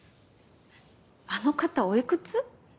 あの方おいくつ？